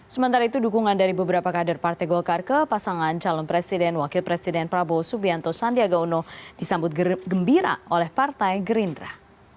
sementara itu dukungan dari beberapa kader partai golkar ke pasangan calon presiden wakil presiden prabowo subianto sandiaga uno disambut gembira oleh partai gerindra